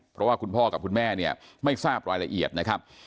เพราะว่าคุณพ่อกับคุณแม่เนี่ยไม่ทราบรายละเอียดนะครับ